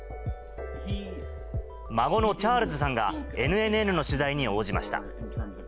孫のチャールズさんが、ＮＮＮの取材に応じました。